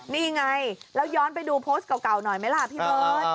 นี่ไงแล้วย้อนไปดูโพสต์เก่าหน่อยไหมล่ะพี่เบิร์ต